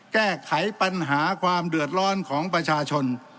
แก้ไขปัญหาความเดือดร้อนของประชาชน